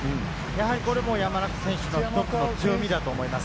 これも山中選手の強みだと思います。